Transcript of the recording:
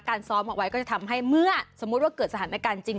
ซ้อมเอาไว้ก็จะทำให้เมื่อสมมุติว่าเกิดสถานการณ์จริง